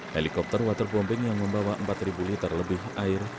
helikopter waterbombing yang membawa empat liter lebih air